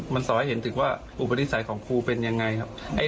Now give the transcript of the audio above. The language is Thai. มันสอให้เห็นถึงว่าอุปนิสัยของครูเป็นยังไงครับ